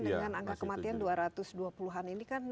dengan angka kematian dua ratus dua puluh an ini kan